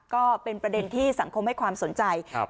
ก็เป็นประเด็นที่สังคมให้ความสนใจ